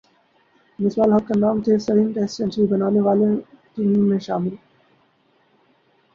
مصباح الحق کا نام تیز ترین ٹیسٹ سنچری بنانے والوںمیں شامل